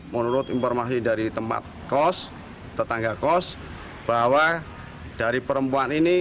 menurut informasi dari tempat kos tetangga kos bahwa dari perempuan ini